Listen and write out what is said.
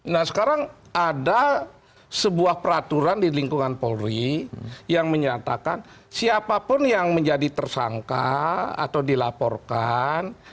nah sekarang ada sebuah peraturan di lingkungan polri yang menyatakan siapapun yang menjadi tersangka atau dilaporkan